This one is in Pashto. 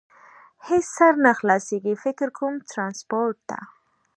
هېڅ سر نه خلاصېږي، فکر کوم، ترانسپورټ ته.